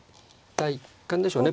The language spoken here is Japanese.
第一感でしょうね